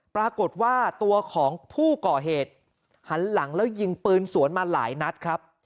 ปรากฏว่าตัวของผู้ก่อเหตุหันหลังแล้วยิงปืนสวนมาหลายนัดครับ